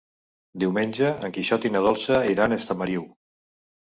Diumenge en Quixot i na Dolça iran a Estamariu.